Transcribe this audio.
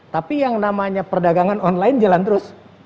tapi yang namanya perdagangan online jalan terus